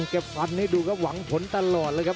เก็บฟันให้ดูก็หวังผลตลอดเลยครับ